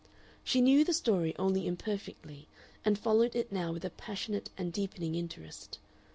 She knew the story only imperfectly, and followed it now with a passionate and deepening interest.